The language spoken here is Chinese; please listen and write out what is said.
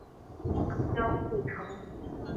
江户城。